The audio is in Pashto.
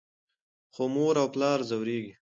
خو مور او پلار ځورېږي.